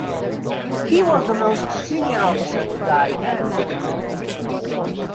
He was the most senior officer to die at Waterloo.